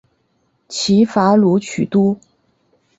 齐伐鲁取都。